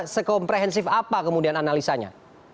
sekomprehensif apa kemudian analisanya